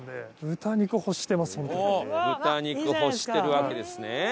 豚肉欲してるわけですね。